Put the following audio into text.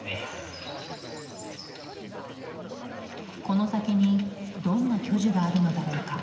この先にどんな巨樹があるのだろうか？